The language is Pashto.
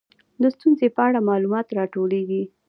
د ستونزې په اړه معلومات راټولیږي.